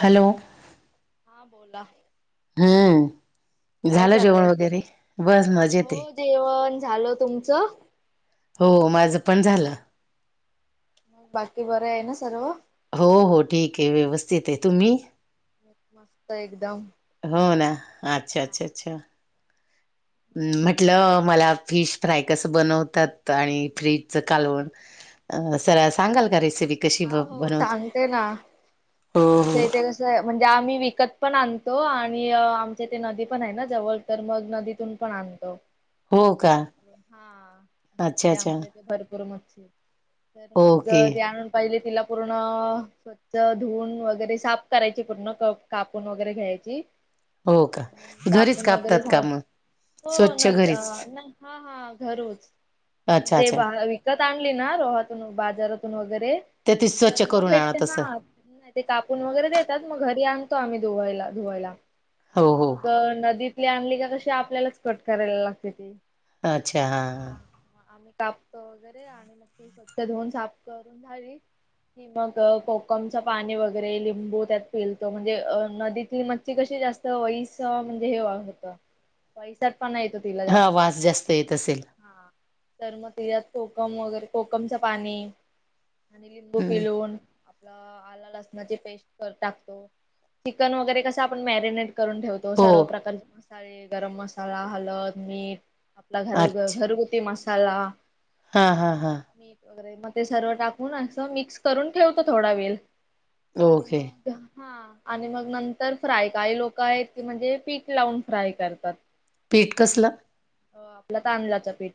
Hello! हा बोला. हम्म. काय झालं जेवण चाललंय? वगैरे बस मजेतय. हो जेवण झालं तुमचं? हो माझं पण झालं. बाकी बरय न सर्व? हो हो ठीकय व्यवस्थितय तुम्ही? मस्त एकदम. हो ना अच्छा, अच्छा, अच्छा म्हटलं मला फिश फ्राय कसं बनवतात आणि फ्रीजच कालवन अ सर सांगाल का रेसिपी. कशी हा ब हो बनवत सांगते ना, हो हो आमच्या इथे कसं म्हणजे आम्ही विकत पण आणतो आणि अ आमच्या ते नदी पण हाय ना जवळ तर मग नदीतून पण आणतो. हो का हा अच्छा भेटते अच्छा आमच्या इथे भरपूर मच्छी. तर मग ओके ती आणून पाहिले तिला पूर्ण स्वच्छ धुवून वगैरे साफ करायची पूर्ण कापून वगैरे घ्यायची. हो का आणि घरीच कापून वगैरे कापतात का झाल मग, हो स्वच्छ नदी अ घरीच. नाही हा हा घरून अच्छा म्हणजे अच्छा बा जत आणली ना रोहातून बाजारातून वगैरे, ते ती स्वच्छ तर मग करून आणा भेटते तसं ना. ते कापून वगैरे देतात मग घरी आणतो आम्ही धुवायला, धुवायला हो आणि हो मग नदीतली आणली का कशी आपल्यालाच कट करायला लागत्याती अच्छा हां आम्ही कापतो वगैरे आणि मग ती स्वच्छ धुऊन साफ करून झाली कि मग कोकमच पाणी वगैरे लिंबू त्यात पिलतो म्हणजे अ नदीतील म ची कशी जास्त वैस म्हणजे हे होत पैसात पणा येत तिला हा जास्त. वास जास्त येत असेल हा, तर मग तिज्यात कोकम वगैरे कोकमचं पाणी आणि लिंबू हम्म पिलून. आल्लं- लसणाची पेस्ट टाकतो, चिकन वगैरे कसं आपण मॅरिनेट करून ठेवतो. तो हो सर्व प्रकारचे मसाले, गरम मसाला, हलद, मीठ घर, अच्छा घरगुती मसाला, हा मीठ वगैरे मग ते सर्व टाक हून असं मिक्स करून ठेवत थोडा वेल आणि मग [unintelligible] हा आणि मग नंतर फ्राय काही लोक आहेत की म्हणजे पीठ लावून फ्राय करतात. पीठ कसलं? आपला तांदळाचा पीठ,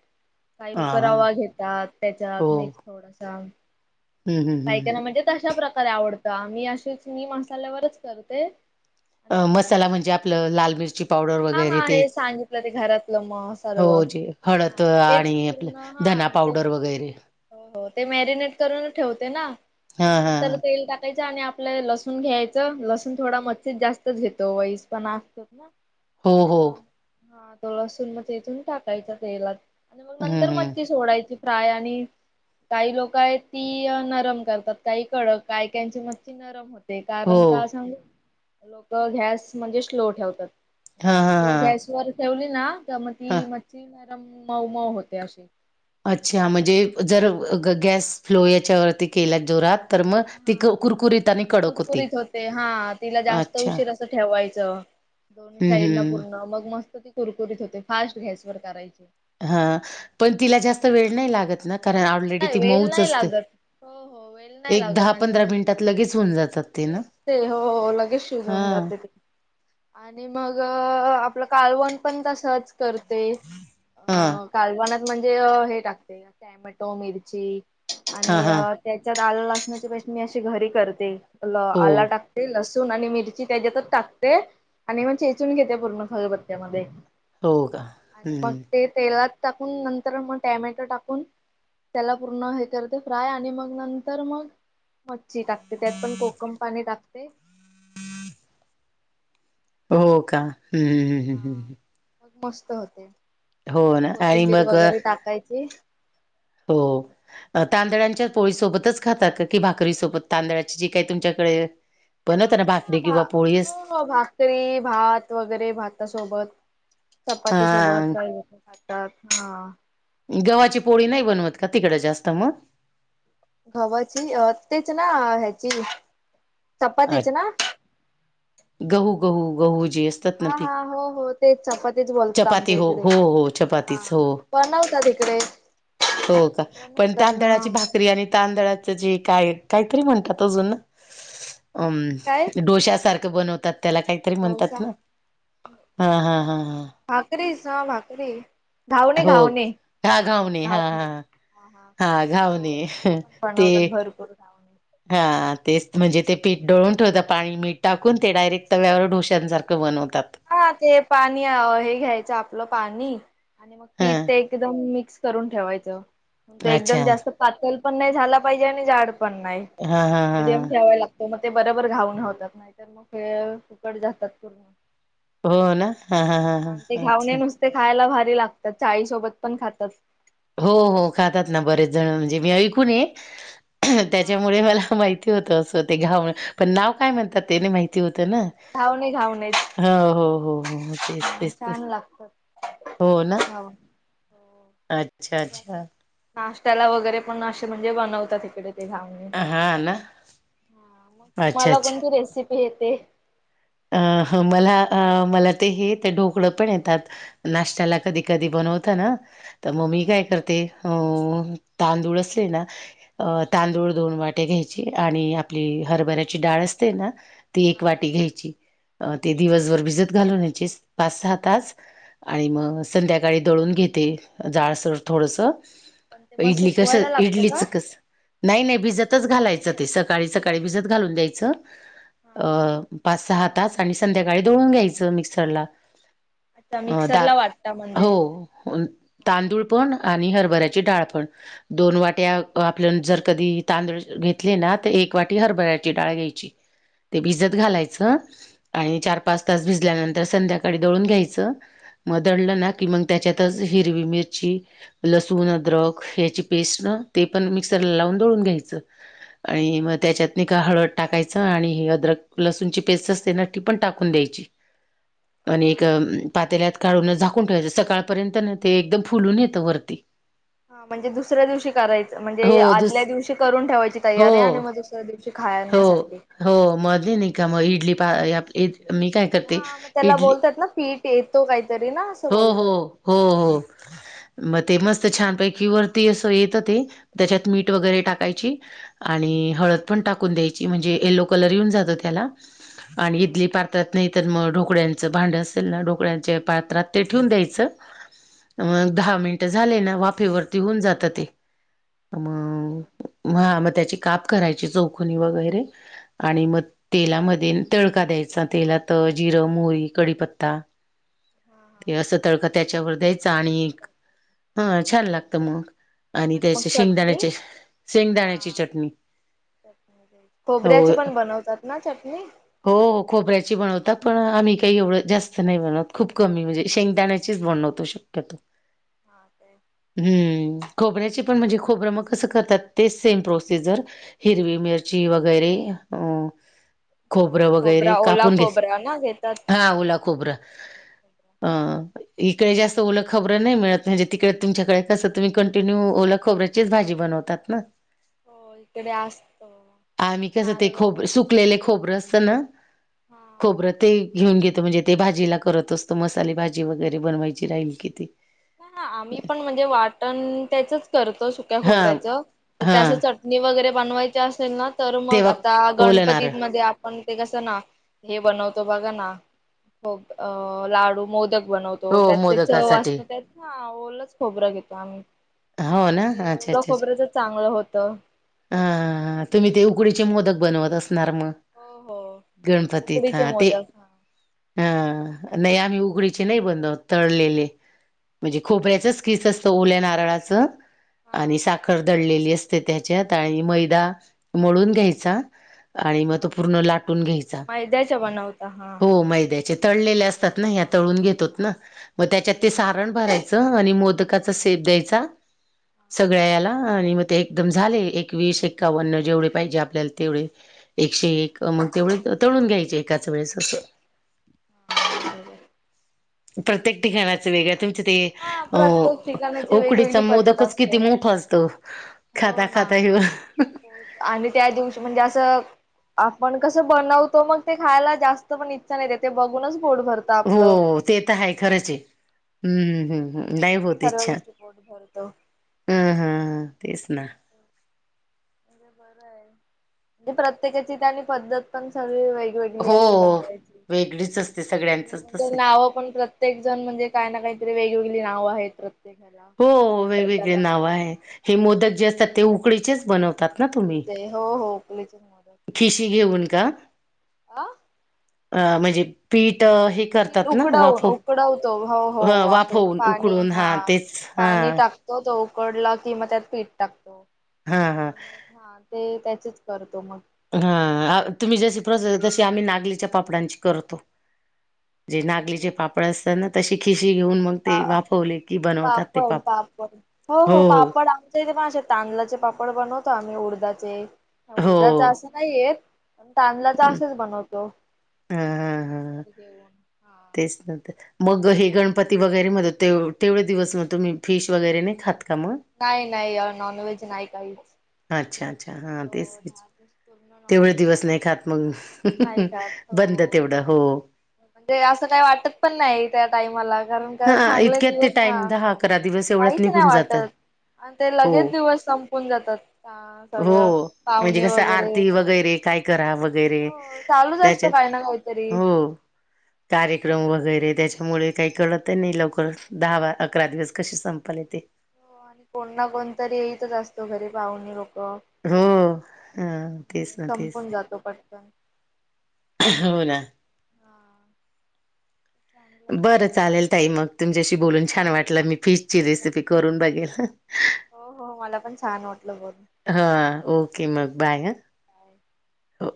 काही हा लोक हा रवा घेतात हो त्येच्यात मिक्स थोडासा. हम्म हम्म काय हम्म का ना म्हणजे तशा प्रकारे आवडता, मी अशीच मी मसाल्यावरच करते. आणि मग मसाला म्हणजे आपलं लाल मिरची पावडर हा वगैरे हा ते, हे सांगितलं ते घरातलं मग सर्व हो जे हळद हा मग तेच आणि आपलं पूर्ण धना हा ते पावडर वगैरे. हो हो ते मॅरिनेट करून ठेवते ना, हा म हा नंतर तेल टाक तेच्यान आणि आपल लसुन घ्यायचं लसून थोडा मच्छित जास्तच घेतो वईस पणा असतो ना. हो हो हा लसून मग ठेचून टाकायच तेलात आणि मग हम्म नंतर हम्म मचं ती सोडायची प्राय आणि काही लोक आहेत ती नरम करतात, काही कडक, काही काहीची मच्छी नरम होत ते हो कारण का सांगू, लोकं गॅस म्हणजे स्लो ठेवतात. हा हा स्लो हा गॅस वर ठेवली ना, तर मग हा ती मच्छी नरम मऊ, मऊ होते अशी. अच्छा म्हणजे जर गॅस फ्लो याच्यावरती केला जोरात म ती कुरकुर करकुरीत होते हा, तिला जास्त अच्छा उशीर असं ठेवायचं. दोन्ही हम्म साईडन हम्म पूर्ण, मग मस्त ती कुरकुरीत होते फास्ट गॅस वर करायची. हा, पण तिला जास्त वेळ नाही लागत ना, कारण ऑलरेडी नाही ती वेल मऊच नाही असते. लागत. हो हो. वेल नाही एक दहा लागत पंधरा आणि मिनिटात लगेच होऊन जातात ते ना? शिजते हो हो लगेच शिजून हां जाते ते. आणि मगं आपलं कालवण पण तसंच करते. अ हां, कालवनात म्हणजे अ हे टाकते टॅमॅटो, मिरची हां, आणि हां. त्याच्यात आलं लसणाची पेस्ट मी अशी घरी करते हो, आला टाक ते लसूण आणि मिरची त्याच्यातचं टाकते आणि मग चेचून घेते पूर्ण खलबत्त्यामध्ये. हो का? आणि मग हं. ते तेलात टाकून नंतर मग टॅमॅटो टाकून त्याला पूर्ण हे करते फ्राय आणि मग नंतर मग मच्छी टाकते त्यात पण कोकम पाणी टाकते हो का हम्म हम्म हम्म हा. हम्म मग मस्त होते ना आणि कोथिंबीर मग अ, वगैरे टाकायची. हो तांदळांच्या पोळीसोबतच खातात का की भाकरीसोबत तांदळाची जी काही तुमच्याकडे बनवता ना भा ह भा हो हो भाकरी, भात वगैरे भातासोबत चपाती सोबत हां, काही लोकं खातात हा गव्हाची पोळी नाही बनवत का तिकडं जास्त म? गव्हाची तेच ना ह्याची अ, चपातीची ना? गहू गहू गहू जे अस हा हा हो हो तेच चपातीच बोलतात चपाती आमच्या हो, इकडे हो, हो, हा चपातीच हो. बनवतात इकडे हो का पण बनवतात ना हा तांदळाची भाकरी आणि तांदळाचं जे काय काहीतरी म्हणतात अजून ना? अ काय डोश्यासारखं बनवतात त्याला काहीतरी म्हणतात डोसा ना हा हा हा हा भाकरीचं हा भाकरी घावणे हो घावणे हा हा घावणे हा हा घावणे ते बनवतात भरपूर घावणे हा तेच म्हणजे ते पीठ दळून ठेवतात पाणी मीठ टाकून ते डायरेक्ट तव्यावर डोश्यांसारखं बनवतात. हा ते पाणी हे घ्यायचं आपलं पाणी आणि मग हा पीठ ते एकदम मिक्स करून ठेवायचं एकदम अच्छा जास्त पातल पण नाही झाला पाहिजे आणि जाड पण नाही. हा हा हा मिडियम ठेवाय लाग मग ते बरोबर घावनं होतात नाहीतर मग हे फुकट जातात पूर्ण हो ना हा हा हा ह ते हा घावणे अच्छा नुसते खायला भारी लागतात चाळीसोबत पण खातात. हो हो मस्त खातात ना लागतात बरेच जणं म्हणजे मी ऐकून ये हा त्याच्यामुळे मला माहित होत असं ते घावण पण नाव काय म्हणतात ते नाही माहिती होतं ना घावणे घावणे हा हो हो हो तेच तेच तेच छान लागतात हो ना अच्छा अच्छा. नाष्ट्याला वगैरे पण अशे म्हणजे बनवतात इकडे ते घाव हा ना हा मग अच्छा तुम्हाला अच्छा कोणती रेसिपी येते? अ मला मला ते हे येते ढोकळं पण येतात. नाश्त्याला कधी कधी बनवतं ना तर म हा मी काय हा करते अ तांदूळ असले ना अ तांदूळ दोन वाट्या घ्यायचे आणि आपली हरभऱ्याची डाळ असते ना ती एक हा वाटी हा. घ्यायची. अ ते दिवसभर भिजत घालून यायचे पाच सहा तास आणि मग संध्याकाळी दळून घेते जाडसर थोडंसं पण ते मग इडली कस सुकवायला लागतं का? इडलीचं कस नाही नाही भिजतंच घालायचं असंच ते स काळी सकाळी भिजत घालून द्यायचं हा. अ पाच सहा आणि संध्याकाळी दडळून घ्यायचं मिक्सर ला. अच्छा अ दाळ, मिक्सरला वाटता म्हणजे. हो, ऊन तांदूळपण आणि हरभऱ्याचे डाळपण. दोन वाट्या आपल्या जर कधी तांदूळ घेतले ना, तर एक वाटी हरभऱ्याची डाळ घ्यायची. ते भिजत हा घालाच आणि चार, पाच तास भी भिजल्यानंतर संध्याकाळी दळून घ्यायच. मदळलं ना की मग त्याच्यातच हिरवी मिरची लसूण अद्रक ह्याची पेस्ट ना, ते पण मिक्सरला लावून दळून घ्यायचं. आणि मग त्याच्यात नि का हळद टाकायचं. आणि ही अद्रक लसूणची पेस्ट असते ना. ती पण टाकून द्यायची. आणि एक हा. पातेल्यात काढून, झाकून ठेवायचं. सकाळपर्यंत ना ते एकदम फुलून येतं वरती. [inaudible] हा, म्हणजे दुसऱ्या दिवशी करायचं. हो म्हणजे दुस आदल्या दिवशी करून ठेवायची हो तयारी आणि मग त्या दिवशी हो खाण्यासाठी. हो, मध्ये अच्छा. नाही का मग, इडली पा मी काय करते हा मग त्याला इडली बोलतात ना, पीठ येतो काहीतरी ना असं बोलतात. हो-हो मग ते मस्त छानपैकी वरती असं येत ते त्याच्यामीठ वगैरे टा टाकायची, आणि हळद पण टाकून द्यायची. म्हणजे येलो कलर येऊन जातो त्याला आणि इडली पात्रात नाही. तर मग ढोकळ्यांचं भांड असेल ना, ढोकळ्यांच्या पात्रात ते ठेवून द्यायचं. दहा मिनिटं झाले ना, वाफेवरती होऊन जातं ते. हा काय मग हा मग त्याची काप करायची चौखनी वगैरे आणि मग तेलामध्ये तळका द्यायचा, तेला तर जिरं, मोरी, कडीपत्ता हा हा ते असं तळक त्याच्यावर द्यायचं आणि वरती टाकतात. हं छान लागत मग. आणि मग त्याचे चटणी शेंगदाण्याचे, शेंगदाण्याची हा चटणी. खोबऱ्याची पण बनवतात ना चटणी. हो-हो खोबऱ्याची बनवतात, पण आम्ही काही एवढं जास्त नाही बनवत खूप कमी म्हणजे. शेंगदाण्याचेच बणवतो शक्यतो. हा ते हम्म, तेच. खोबऱ्याची पण म्हणजे खोबरं मग कसं करतात. ते सेम प्रोसिजर हिरवी मिरची वगैरे खोबरं हा वगैरे, खोबरा ओला कापून घेत, खोबरा ना घेतात. हा उला खोबरं अ इकडे जास्त ओलं खबरं नाही मिळत. म्हणजे तिकडे तुमच्याकडे कस तुम् कंटिन्यू ओ खोबररायच. ची भाजी बनवतात ना. हो इकडे असतो आम्ही कसं ते नारळ खोबर वगैरे सुकलेले खोबरं असत ना हा. खोबंर ते घेऊन घेत, म्हणजे ते भाजीला करत असत मस्त साली भाजी वगैरे बनवायची राहील किती. हा, आम्ही पण म्हणजे वाटण त्याचच करतो. सुक्या हा खोबऱ्याचं हा त्यासट णी वगैरे बनवायची असेल ना, तर मग तेव्हा आता ओलं गणपती नारळ मध्ये पण ते कसं ना, हे बनवतो बघा ना हो अ लाडू, मोदक बनवतो. हो त्यात त्या चवा आस मोदकासाठी आहेत ना, ओलच खोबरं घेतो आम्ही, हो ना ते अच्छा ओल खोबरंच चांगलं होत. हा-हा-हा तुम्ही ते उकडीचे मोदक बनवत असणार मग. हो हो. गणपती उकडीचे हा ते मोदक हा हा नाही आम्ही उघडीचे नाही बनव, तळलेले. म्हणजे खोबऱ्याचच किस असत ओल्या नारळाच आणि हा साखर दळलेली असत. त्याच्यात आणि मैदा मोडून घ्यायचा. आणि मग तो पूर्ण लाटून घ्यायचा. मैद्याच्या बनवता हा. हो मैद हे तळलेले असतात ना ह्या तळून घेतोत ना हा मग त्याच्यात ते बरोबर सारण भराय आणि मोदकाचा शेप द्यायचा. सगळ्या याला आणि मग ते एकदम झाले एकवीस एकावन्न जेवढे पाहिजे आपल्याला तेवढे एकशे एक मग तेवढे तळून घ्यायचे एकाच वेळेस अस. बरोबर प्रत्येक तेच. ठिकाणाच वेगळ तुमचे ते हा अ प्रत्येक ठिकाणाची उकडी वेगवेगळी पद्धत मोदकच किती असते. मोठ असत खाता हो ना. खाता ए आणि त्या दिवशी म्हणजे अस आपण कस बनवतो मग ते खायला जास्त पण इच्छा नाही ते बघूनच पोट भरत आपल. हो ते हाय खरच हे. हम्मम् हम् नाही बघूनच होत सर्व इच्छा. गोष्टी पोट भरतं. हम्म हम तेच ना. म्हणजे म्हणजे प्रत्येकाचीनी पद्धत पण चालूय वे गली हो असते बय वेगळीच असते सगळ्यांचच तस ते आहे. नाव पण प्रत प्रत्येक जण म्हणजे काय ना काहीतरी वेगवेगळी नाव आहेत. ह्याला. हो वेगवेगळे पदार्थाला नाव आहे हे मोदक जे असतात ते उकळीचेच बनवतात. ना तुम्ही ते हो हो उकलीच खिशी घेऊन का अ अ म्हणजे पीठ हे पीठ करतात ना उकडवून वाफव उकडवतो हो ह होे वाफवून पाणी उकडून हा तेच हा पाणी टाक तो उकडला कि म त्यात पीठ टाकतो. हा ते त्याचेच करतो मग. ह तुम्ही जशी प्रस तशी आम्ही नागलीच्या पापडांची करतो. जे नागलीचे म्हणजे पापड असतात ना तशी खिशी घेऊन मग ते वाफवले की बनवतात ते पापड पापड. हो -हो पापड आ थ मग असे तांदळाचे पापड बनवतो आम्ही उडधचे उडध्याच हो अस नाहीेत. तांदळाचा असेच बनवतोत. तेचन तर मग हे गणपती वगैरे मध्ये तेवढे दिवस मग तुम्ही फिश वगैरे नाही खात का मग. नाही नाही नॉन व्हेज नाही खात. अच्छा अच्छा हा तेचच. दिवस पूर्ण तेवढे नॉनव्हेज दिवस काहीच नाही खात मग नाही खात बंद हो तेवढ. हो म्हणजे अस काही वाटत पण नाही त्या टाइमाला कारण का हा चांगले इतक्यात ते दिवस हा टाइम दहा अकरा दिवस एवढ्यात काहीच नाही निघून जात वाटत आणि ते हो लगेच दिवस संपून जातात. हो सगळं म्हणजे पाहुणे कस वगैरे आरती काम वगैरे. काय करा वगैरे हो चालूच असतो त्याच्यात. काही ना काहीतरी. हो कार्यक्रम वगैरे त्याच्यामुळे काही कळत कळत ही नाही लवकर दहा अकरा दिवस कशी संपाले ते. हो कोण ना कोणतरी येेतच असतो घरी पाहुणे लोक. हो ह तेच ना तेच संपून जातो पटकन. हो ना हा [inaudible] चांगलं आहे बर म्हणजे चालेल ताई मग तुमच्याशी बोलून हो छान हो वाटल मी फिशची मला रेसिपी करून बघेल. हो हो मला पण छान वाटल बोलून. हा ओके मग बाय. [inaudible] हो